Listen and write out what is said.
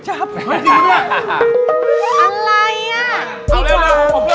ชาปลา๑๕๐บาท